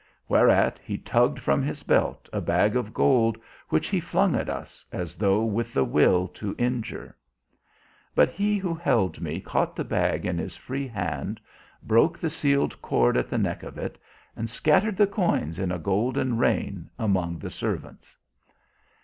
Whereat he tugged from his belt a bag of gold which he flung at us as though with the will to injure. But he who held me caught the bag in his free hand, broke the sealed cord at the neck of it and scattered the coins in a golden rain among the servants.